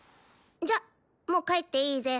じゃもう帰っていいぜ。